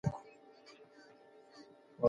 ما ته بې له کلمو څخه پناه راکړه.